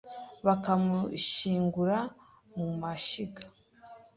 Bakamushyingura mu mashyiga